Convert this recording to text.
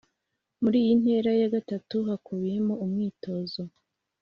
Muri iyi ntera ya gatatu hakubiyemo umwitozo